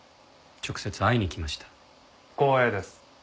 光栄です。